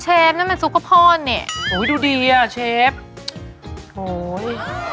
เชฟนั่นมันซุปกระพ่อเนี่ยโอ้ยดูดีอ่ะเชฟโอ้ย